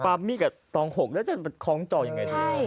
ปรัมมี่กับตองหกแล้วจะเป็นของจ่อยังไงดี